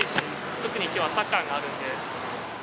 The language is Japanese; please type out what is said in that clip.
特にきょうは、サッカーがあるんで。